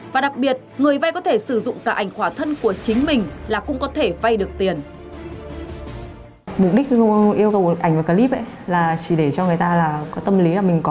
và đặc biệt người vay có thể sử dụng cả ảnh quả thân của chính mình là cũng có thể vay được tiền